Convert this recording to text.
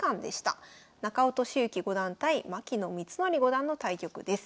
中尾敏之五段対牧野光則五段の対局です。